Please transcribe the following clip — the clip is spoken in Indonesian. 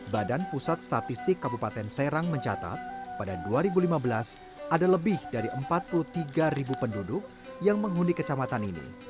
badan pusat statistik kabupaten serang mencatat pada dua ribu lima belas ada lebih dari empat puluh tiga penduduk yang menghuni kecamatan ini